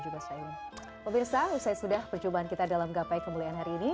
pemirsa usai sudah percobaan kita dalam gapai kemuliaan hari ini